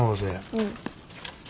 うん。